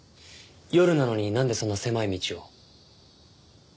夜なのになんでそんな狭い道を？